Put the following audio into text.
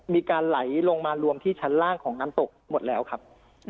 มีการไหลลงมารวมที่ชั้นล่างของน้ำตกหมดแล้วครับ